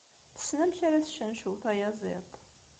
Tessen amek ara tessencew tayaziḍt.